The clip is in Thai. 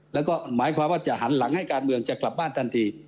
แล้วก็หมายความว่าจะหันหลังให้การเมืองจะกลับบ้านทันที